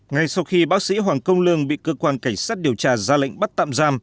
ngay sau khi bác sĩ hoàng công lương bị cơ quan cảnh sát điều tra ra lệnh bắt tạm giam